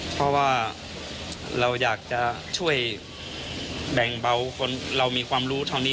เพราะว่าเราอยากจะช่วยแบ่งเบาคนเรามีความรู้เท่านี้